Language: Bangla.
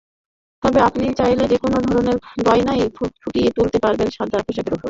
তবে আপনি চাইলে যেকোনো ধরনের গয়নাই ফুটিয়ে তুলতে পারবেন সাদা পোশাকের ওপরে।